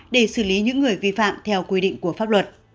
để xử lý những người vi phạm theo quy định của pháp luật